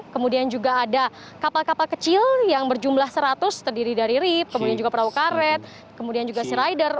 kemudian juga ada kapal kapal kecil yang berjumlah seratus terdiri dari rip kemudian juga perahu karet kemudian juga sea rider